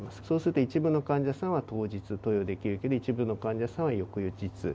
そうすると一部の患者さんは当日投与できるけど、一部の患者さんは翌日。